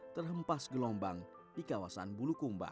terhempas gelombang di kawasan bulukumba